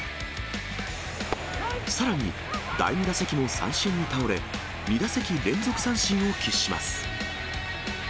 さらに第２打席も三振に倒れ、２打席連続三振を喫します。